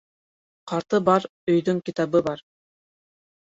Ҡарты бар өйҙөң китабы бар